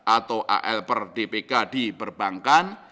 atau al per dpk di perbankan